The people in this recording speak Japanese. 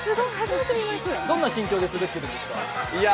どんな心境で滑ってるんですか？